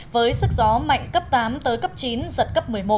với sức gió mạnh cấp tám tới cấp chín giật cấp một mươi một